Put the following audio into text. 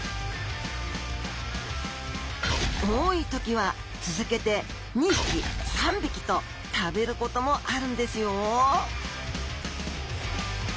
多い時は続けて２匹３匹と食べることもあるんですよ